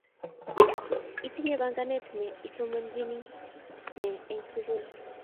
Itinye panganet ne isomanchi ne eng sukul